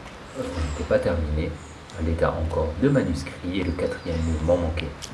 L'œuvre n'était pas terminée, à l'état encore de manuscrit et le quatrième mouvement manquait.